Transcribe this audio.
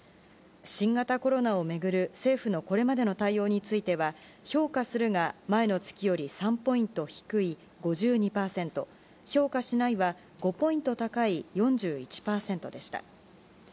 新型コロナを巡る政府のこれまでの対応については評価するが前の月より３ポイント低い５２％評価しないは５ポイント高い４１％でした。